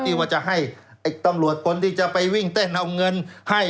ที่ว่าจะให้ตำรวจคนที่จะไปวิ่งเต้นเอาเงินให้